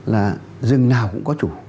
là rừng nào cũng có chủ